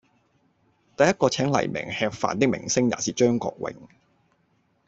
第一個請黎明吃飯的明星也是張國榮。